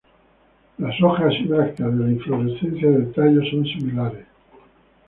Las hojas y brácteas de la inflorescencia del tallo son similares.